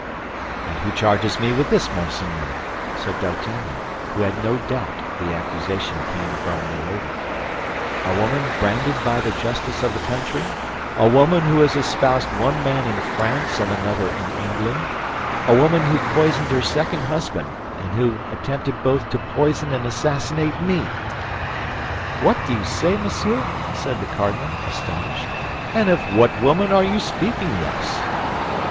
"And who charges me with this, monseigneur?" said D'Artagnan, who had no doubt the accusation came from Milady, "a woman branded by the justice of the country; a woman who has espoused one man in France and another in England; a woman who poisoned her second husband and who attempted both to poison and assassinate me!" "What do you say, monsieur?" cried the cardinal, astonished; "and of what woman are you speaking thus?"